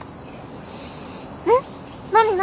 えっ何何？